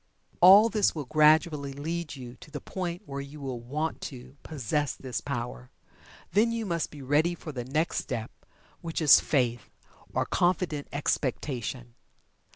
All this will gradually lead you to the point where you will "want to" possess this power. Then you must be ready for the next step which is "Faith" or "Confident Expectation."